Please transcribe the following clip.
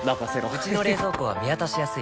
うちの冷蔵庫は見渡しやすい